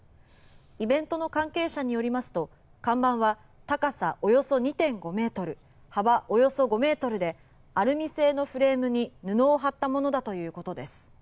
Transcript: イベントの関係者によりますと看板は高さおよそ２．５ｍ幅およそ５ｍでアルミ製のフレームに布を張ったものだということです。